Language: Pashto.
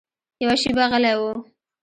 يوه شېبه غلى و.